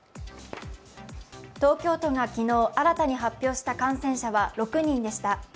東京都が昨日、新たに発表した感染者は６人でした。